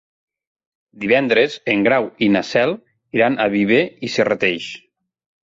Divendres en Grau i na Cel iran a Viver i Serrateix.